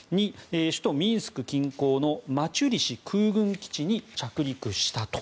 首都ミンスク近郊のマチュリシ空軍基地に着陸したと。